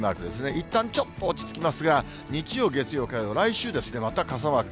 いったんちょっと落ち着きますが、日曜、月曜、火曜、来週また傘マーク。